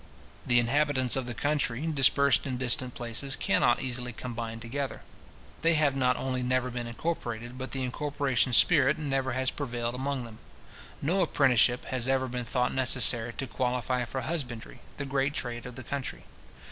The inhabitants of the country, dispersed in distant places, cannot easily combine together. They have not only never been incorporated, but the incorporation spirit never has prevailed among them. No apprenticeship has ever been thought necessary to qualify for husbandry, the great trade of the country.